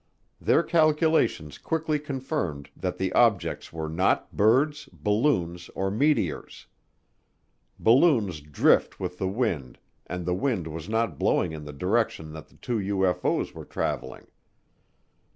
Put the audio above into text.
Their calculations quickly confirmed that the objects were not birds, balloons, or meteors. Balloons drift with the wind and the wind was not blowing in the direction that the two UFO's were traveling.